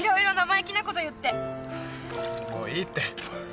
もういいって。